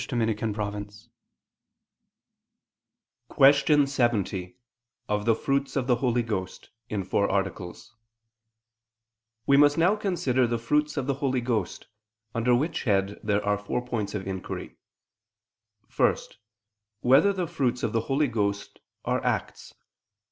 ________________________ QUESTION 70 OF THE FRUITS OF THE HOLY GHOST (In Four Articles) We must now consider the Fruits of the Holy Ghost: under which head there are four points of inquiry: (1) Whether the fruits of the Holy Ghost are acts?